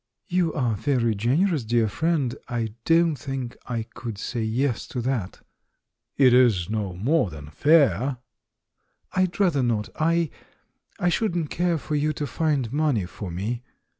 "You are very generous, dear friend; I don't think I could say 'yes' to that." "It is no more than fair." "I'd rather not. I — I shouldn't care for you to find money for me!"